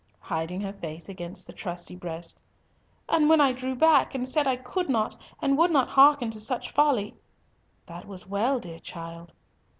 Hiding her face against the trusty breast, "And when I drew back, and said I could not and would not hearken to such folly—" "That was well, dear child."